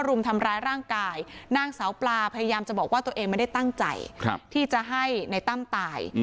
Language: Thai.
รุมทำร้ายร่างกายนางสาวปลาพยายามจะบอกว่าตัวเองไม่ได้ตั้งใจที่จะให้ในตั้มตาย